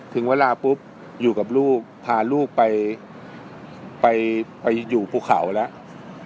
ถึงเวลาปุ๊บอยู่กับลูกพาลูกไปอยู่ภูเขาแล้ว